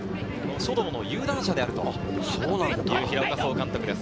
書道の有段者であるという平岡総監督です。